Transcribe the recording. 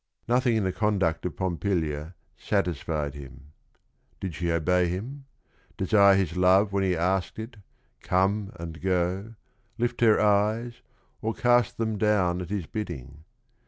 Nothing in the conduct of Pompilia satisfied him. Did she obey him, desire his love when he asked it, come and go, lift her eyes, or cast them down at his bidding?